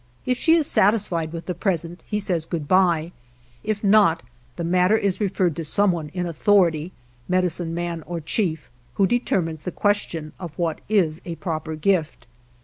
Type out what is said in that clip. If she is satisfied with the present he says good by, if not, the matter is referred to someone in authority (medicine man or chief), who determines the question of what is a proper gift.